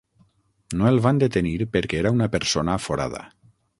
No el van detenir perquè era una persona aforada.